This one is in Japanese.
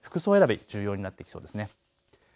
服装選び、重要になってきそうですね。